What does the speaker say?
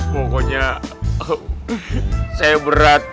pokoknya saya berat